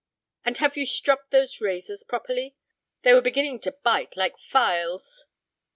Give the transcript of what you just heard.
And have you stropped those razors properly? They were beginning to bite like files."